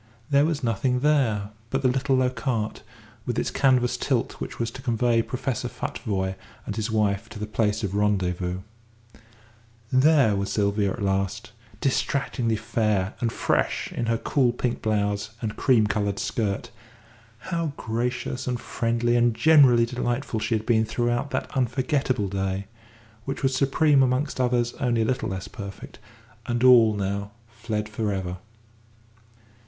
There was nothing there but the little low cart, with its canvas tilt which was to convey Professor Futvoye and his wife to the place of rendezvous. There was Sylvia at last, distractingly fair and fresh in her cool pink blouse and cream coloured skirt; how gracious and friendly and generally delightful she had been throughout that unforgettable day, which was supreme amongst others only a little less perfect, and all now fled for ever!